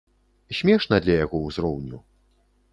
Смешна для яго ўзроўню.